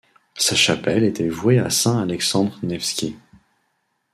Sa chapelle était vouée à saint Alexandre Nevski.